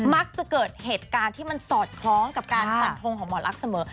มักจะเกิดเหตุการณ์ที่มันสอดคล้องกับการฟันทงของหมอลักษณ์เสมอ